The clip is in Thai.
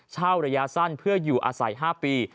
ระยะสั้นเพื่ออยู่อาศัย๕ปี